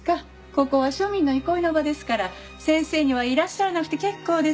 ここは庶民の憩いの場ですから先生にはいらっしゃらなくて結構ですよと申し上げてたのに。